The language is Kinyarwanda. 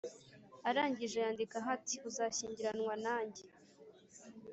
arangije yandikaho ati “uzashyingiranwa nanjye?”.